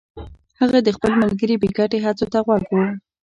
هغه د خپل ملګري بې ګټې هڅو ته غوږ و